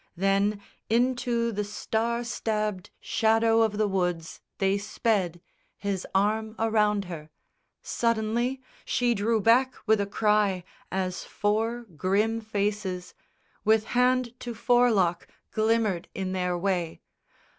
Then into the star stabbed shadow of the woods They sped, his arm around her. Suddenly She drew back with a cry, as four grim faces, With hand to forelock, glimmered in their way.